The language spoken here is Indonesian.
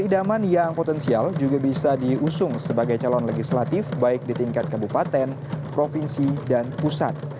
idaman yang potensial juga bisa diusung sebagai calon legislatif baik di tingkat kabupaten provinsi dan pusat